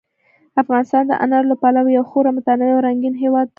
افغانستان د انارو له پلوه یو خورا متنوع او رنګین هېواد دی.